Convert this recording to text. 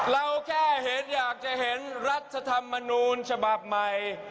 เราแค่เห็นอยากจะเห็นรัฐธรรมนูญฉบับใหม่